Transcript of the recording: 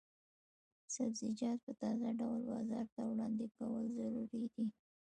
سبزیجات په تازه ډول بازار ته وړاندې کول ضروري دي.